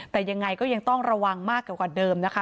แต่ยังไงก็ยังต้องระวังมากกว่าเดิมนะคะ